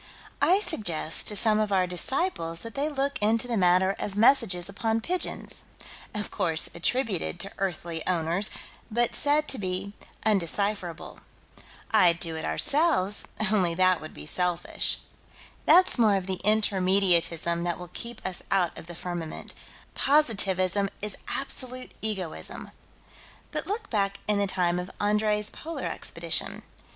I suggest to some of our disciples that they look into the matter of messages upon pigeons, of course attributed to earthly owners, but said to be undecipherable. I'd do it, ourselves, only that would be selfish. That's more of the Intermediatism that will keep us out of the firmament: Positivism is absolute egoism. But look back in the time of Andrée's Polar Expedition.